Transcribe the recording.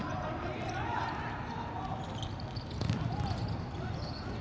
สวัสดีครับทุกคน